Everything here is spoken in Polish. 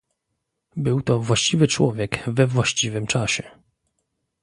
Był to właściwy człowiek we właściwym czasie